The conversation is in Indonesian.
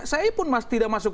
saya pun tidak masuk